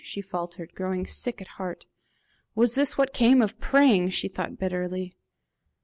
she faltered, growing sick at heart. Was this what came of praying! she thought bitterly.